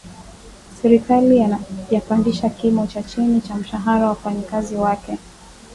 Serikali yapandisha kimo cha chini cha mshahara wa wafanyakazi wake